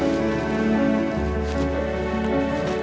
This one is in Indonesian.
mama sudah senang